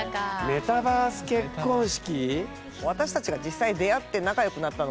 メタバース結婚式。